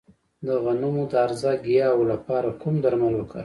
د غنمو د هرزه ګیاوو لپاره کوم درمل وکاروم؟